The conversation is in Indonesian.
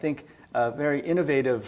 dengan banyak saya pikir